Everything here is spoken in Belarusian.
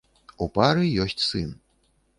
У пары ёсць сын.